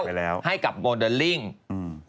เข้าขึ้นกับโมเดอริ่งไปแล้วให้มดแลริ่ง